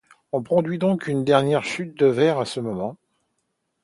On produit donc une dernière chute de verre à ce moment.